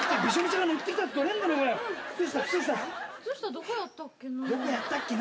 どこやったっけな？